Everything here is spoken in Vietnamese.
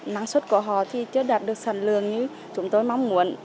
năng suất của họ thì chưa đạt được sản lượng như chúng tôi mong muốn